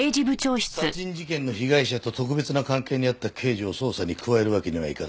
殺人事件の被害者と特別な関係にあった刑事を捜査に加えるわけにはいかない。